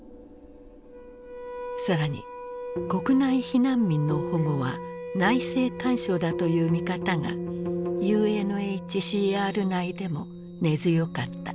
更に国内避難民の保護は内政干渉だという見方がＵＮＨＣＲ内でも根強かった。